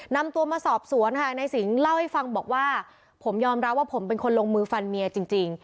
นำตัวมาสอบสวนค่ะนายสิงห์เล่าให้ฟังบอกว่าผมยอมรับว่าผมเป็นคนลงมือฟันเมียจริง